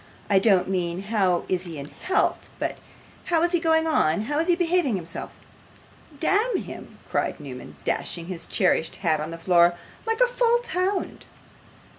I don't mean how is he in health, but how is he going on: how is he behaving himself?' 'Damn him!' cried Newman, dashing his cherished hat on the floor; 'like a false hound.